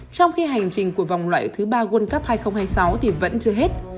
trong khi hành trình của vòng loại thứ ba world cup hai nghìn hai mươi sáu thì vẫn chưa hết